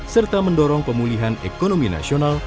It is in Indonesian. serta mendorong pemulihan ekonomi nasional